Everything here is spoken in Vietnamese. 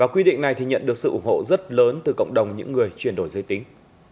quy định này nhận được sự ủng hộ rất lớn từ cộng đồng những người chuyển đổi giới tính